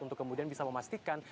untuk kemudian bisa memastikan